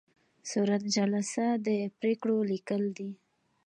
صورت جلسه د پریکړو لیکل دي